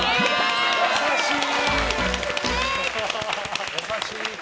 優しい。